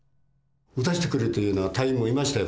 撃たしてくれというような隊員もいましたよ